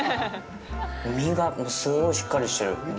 身がすごいしっかりしてる。